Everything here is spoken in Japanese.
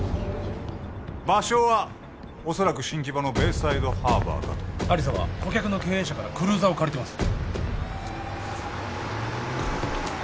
場所はおそらく新木場のベイサイドハーバーかと亜理紗は顧客の経営者からクルーザーを借りてます